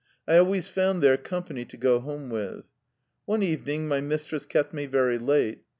I always found there company to go home with. One evening my mistress kept me very late.